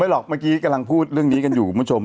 หรอกเมื่อกี้กำลังพูดเรื่องนี้กันอยู่คุณผู้ชม